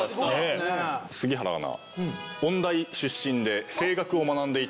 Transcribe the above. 杉原アナ。